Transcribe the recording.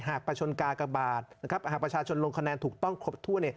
หากประชนกากบาทหากประชาชนลงคะแนนถูกต้องครบถ้วน